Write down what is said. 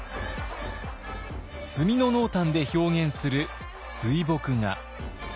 墨の濃淡で表現する水墨画。